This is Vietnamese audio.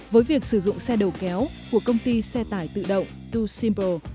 với việc sử dụng xe đầu kéo của công ty xe tải tự động hai simple